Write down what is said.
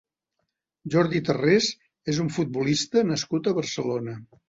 Jordi Tarrés és un futbolista nascut a Barcelona.